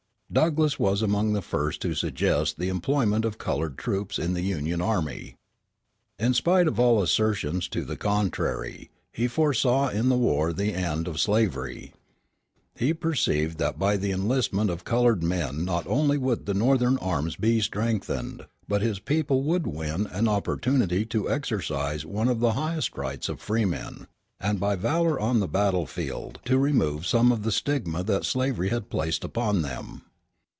Douglass was among the first to suggest the employment of colored troops in the Union army. In spite of all assertions to the contrary, he foresaw in the war the end of slavery. He perceived that by the enlistment of colored men not only would the Northern arms be strengthened, but his people would win an opportunity to exercise one of the highest rights of freemen, and by valor on the field of battle to remove some of the stigma that slavery had placed upon them.